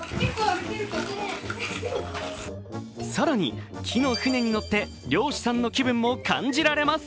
更に木の舟に乗って漁師さんの気分も感じられます。